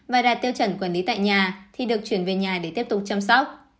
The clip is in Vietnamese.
và đạt tiêu chuẩn quản lý tại nhà thì được chuyển về nhà để tiếp tục chăm sóc